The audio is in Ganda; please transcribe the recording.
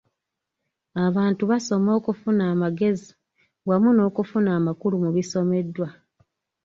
Abantu basoma okufuna amagezi wamu n’okufuna amakulu mu bisomeddwa.